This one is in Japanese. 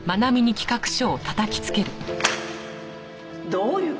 どういう事？